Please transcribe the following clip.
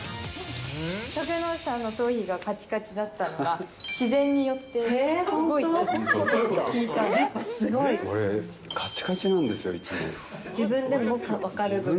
竹野内さんの頭皮がかちかちだったのが、自然によって動いた俺、かちかちなんですよ、自分でも分かるぐらい？